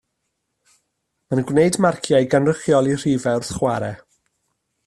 Mae'n gwneud marciau i gynrychioli rhifau wrth chwarae